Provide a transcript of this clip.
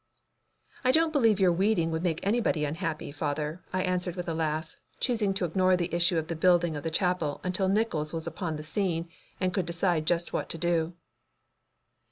"I don't believe your weeding would make anybody unhappy, father," I answered with a laugh, choosing to ignore the issue of the building of the chapel until Nickols was upon the scene and we could decide just what to do.